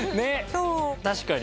確かに。